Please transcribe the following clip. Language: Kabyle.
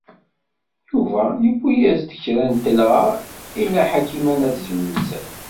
Yuba yewwi-as-d kra n telɣa i Nna Ḥakima n At Zmenzer.